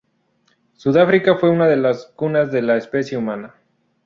Sudáfrica fue una de las cunas de la especie humana.